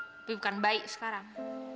tapi bukan baik sekarang